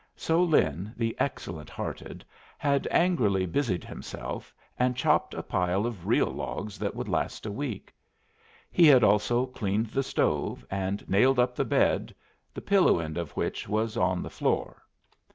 So Lin, the excellent hearted, had angrily busied himself, and chopped a pile of real logs that would last a week. He had also cleaned the stove, and nailed up the bed, the pillow end of which was on the floor.